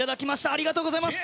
ありがとうございます。